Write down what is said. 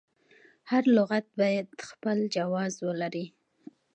هر لغت باید خپل جواز ولري.